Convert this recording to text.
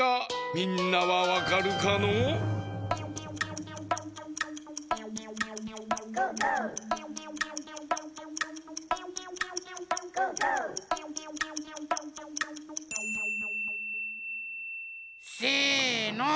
みんなはわかるかのう？せの！